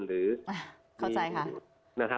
เข้าใจค่ะ